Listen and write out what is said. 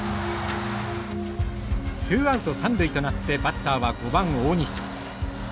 ツーアウト三塁となってバッターは５番大西。